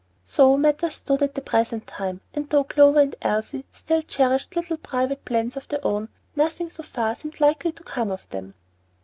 So matters stood at the present time, and though Clover and Elsie still cherished little private plans of their own, nothing, so far, seemed likely to come of them.